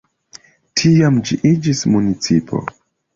Tiam ĝi iĝis municipo.